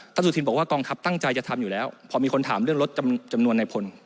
สุธินบอกว่ากองทัพตั้งใจจะทำอยู่แล้วพอมีคนถามเรื่องลดจำนวนในพล